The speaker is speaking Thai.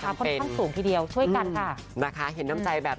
ก็ไม่ว่าใครจะชวนหรือใครที่ได้รับความเหลือร้อนมาแจ้งนะคะ